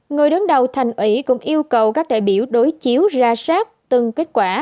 người đứng đầu thành ủy cũng yêu cầu các đại biểu đối chiếu ra sát từng kết quả